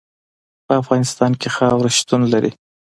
په افغانستان کې خاوره شتون لري.